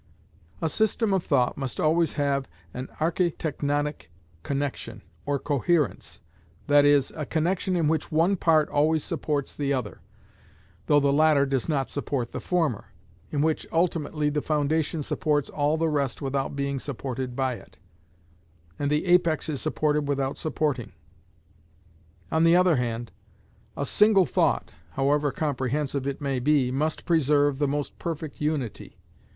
A system of thought must always have an architectonic connection or coherence, that is, a connection in which one part always supports the other, though the latter does not support the former, in which ultimately the foundation supports all the rest without being supported by it, and the apex is supported without supporting. On the other hand, a single thought, however comprehensive it may be, must preserve the most perfect unity.